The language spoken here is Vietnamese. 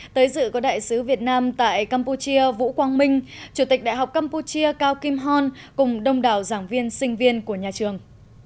tới dự có đại sứ việt nam tại campuchia vũ quang minh chủ tịch đại học campuchia cao kim hon cùng đông đảo giảng viên sinh viên của nhà trường